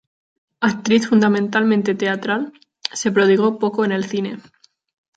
Actriz fundamentalmente teatral, se prodigó poco en el cine.